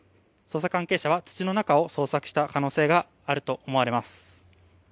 捜査関係者は土の中を捜索した可能性があると思われます。